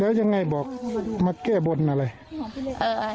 แล้วยังไงบอกมาแก้บนอะไร